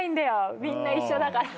みんな一緒だから。